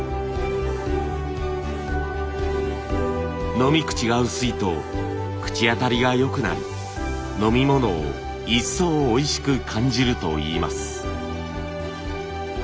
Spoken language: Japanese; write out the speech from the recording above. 飲み口が薄いと口当たりがよくなり飲み物を一層おいしく感じるといいます。